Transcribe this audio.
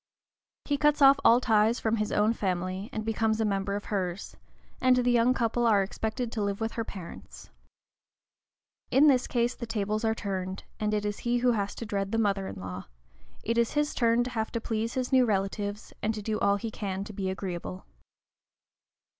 He cuts off all ties from his own family, and becomes a member of hers, and the young couple are expected to live with her parents. In this case the tables are turned, and it is he who has to dread the mother in law; it is his turn to have to please his new relatives and to do all he can to be agreeable.